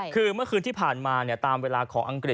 คือเมื่อคืนที่ผ่านมาตามเวลาของอังกฤษ